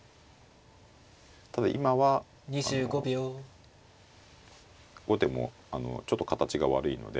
ただ今はあの後手もちょっと形が悪いので。